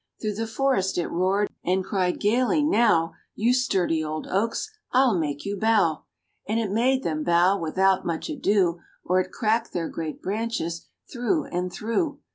Through the forest it roared, and cried gaily, "Now, You sturdy old oaks, I'll make you bow!" And it made them bow without more ado, Or it cracked their great branches through and through.